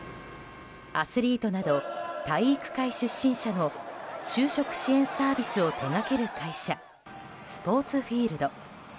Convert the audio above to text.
アスリートなど体育会出身者の就職支援サービスを手掛ける会社スポーツフィールド。